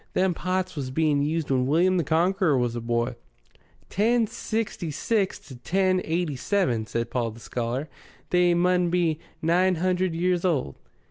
Them pots was being used when William the Conqueror was a boy." "Ten sixty six to ten eighty seven," said Paul the scholar. "They mun be nine hundred years old."